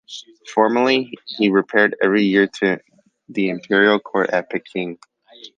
Formerly he repaired every year to the imperial court at Peking.